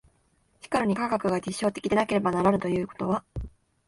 しかるに科学が実証的でなければならぬということは、